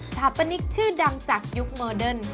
ทราบพะนิกชื่อดังจากยุคเมอร์เดิน